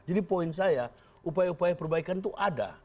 jadi poin saya upaya upaya perbaikan itu ada